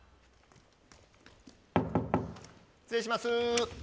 失礼します。